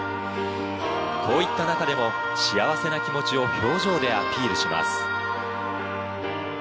こういった中でも幸せな気持ちを表情でアピールします。